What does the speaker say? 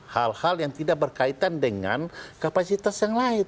hal hal yang tidak berkaitan dengan kapasitas yang lain